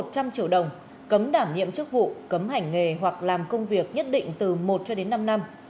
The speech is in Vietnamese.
một trăm linh triệu đồng cấm đảm nhiệm chức vụ cấm hành nghề hoặc làm công việc nhất định từ một cho đến năm năm